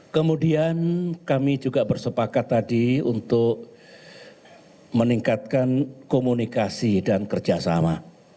kemudian kami juga bersepakat tadi untuk meningkatkan komunikasi dan kerjasama